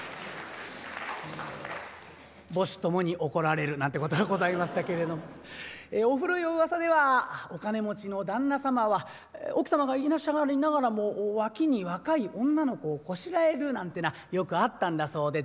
母子ともに怒られるなんてことがございましたけれどもお古いおうわさではお金持ちの旦那様は奥様がいらっしゃりながらも脇に若い女の子をこしらえるなんてなよくあったんだそうで。